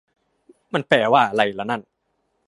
มันแปลว่าอะไรละนั่น